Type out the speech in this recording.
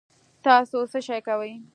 تاسو څه شئ کوی